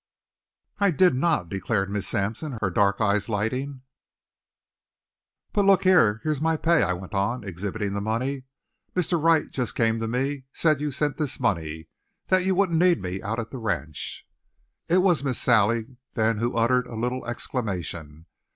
"I did not," declared Miss Sampson, her dark eyes lighting. "But look here here's my pay," I went on, exhibiting the money. "Mr. Wright just came to me said you sent this money that you wouldn't need me out at the ranch." It was Miss Sally then who uttered a little exclamation.